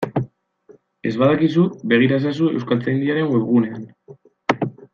Ez badakizu, begira ezazu Euskaltzaindiaren webgunean.